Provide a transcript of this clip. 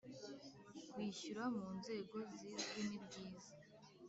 kwishyura mu Nzego zizwi nibyiza